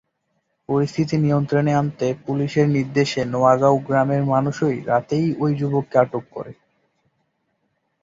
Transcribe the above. পরিস্থিতি নিয়ন্ত্রণে আনতে পুলিশের নির্দেশে নোয়াগাঁও গ্রামের মানুষই রাতেই ওই যুবককে আটক করে।